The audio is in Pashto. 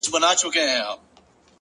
هره ورځ د ځان جوړولو چانس دی’